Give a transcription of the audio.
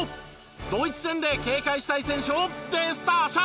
ドイツ戦で警戒したい選手をデスターシャ！